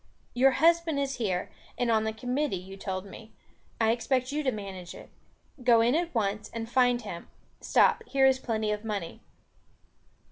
Your husband is here, and on the Committee, you told me. I expect you to manage it. Go in at once and find him. Stop, here is plenty of money."